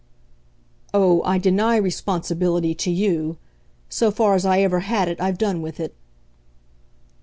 "Oh, I deny responsibility to YOU. So far as I ever had it I've done with it."